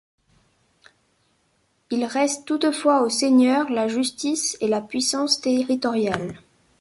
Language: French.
Il reste toutefois au seigneur la justice et la puissance territoriale.